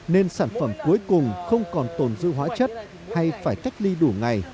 nên sản phẩm cuối cùng không còn tồn dư hóa chất hay phải cách ly đủ ngày